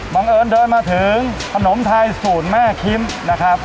บังเอิญเดินมาถึงขนมไทยสูตรแม่คิมนะครับ